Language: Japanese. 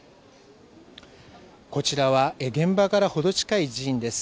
こちらは現場から程近い寺院です。